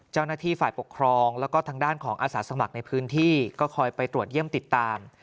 เจ้าหน้าที่ฝ่ายปกครองแล้วก็ทางด้านของอาสาสมัครในพื้นที่ก็คอยไปตรวจเยี่ยมติดตาม